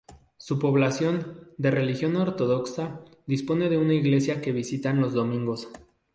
Su población, de religión ortodoxa, dispone de una iglesia que visitan los domingos.